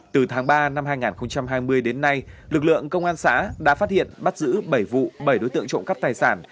từ tháng ba năm hai nghìn hai mươi đến nay lực lượng công an xã đã phát hiện bắt giữ bảy vụ bảy đối tượng trộm cắp tài sản